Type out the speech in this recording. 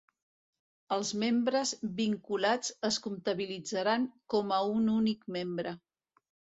Els membres vinculats es comptabilitzaran com a un únic membre.